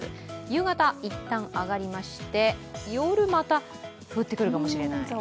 夕方、いったん上がりまして夜また降ってくるかもしれない。